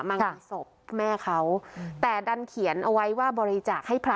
งานศพแม่เขาแต่ดันเขียนเอาไว้ว่าบริจาคให้พระ